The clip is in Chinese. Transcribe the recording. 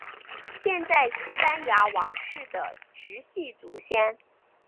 现在西班牙王室的直系祖先。